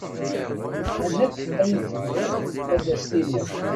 Lukan akk ayen tebɣiḍ ad as-tiniḍ.